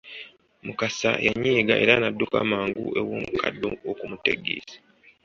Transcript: Mukasa yanyiiga era n'adduka mangu ew’omukadde okumutegeeza.